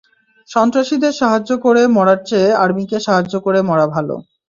সন্ত্রাসীদের সাহায্য করে মরার চেয়ে আর্মিকে সাহায্য করে মরা ভালো।